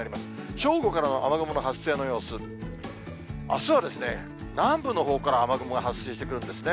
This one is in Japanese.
正午からの雨雲の発生の様子、あすは、南部のほうから雨雲が発生してくるんですね。